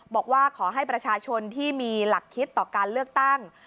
บอกว่าขอให้ประชาชนที่มีหลักคิดต่อการเลือกตั้ง